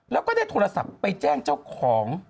แล้วก็ได้โทรศัพท์ไปแจ้งเจ้าของ